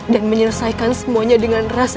dan menyelesaikan semuanya dengan rastu